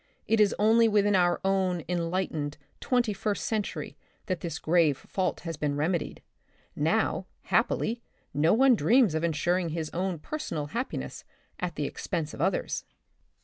It is only within our own enlightened twenty first century that this grave fault has been remedied. Now, happily, no one dreams of insuring his own personal hap piness at the expense of others."